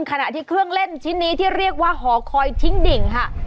ขณะที่เครื่องเล่นชิ้นนี้ที่เรียกว่าหอคอยทิ้งดิ่งค่ะ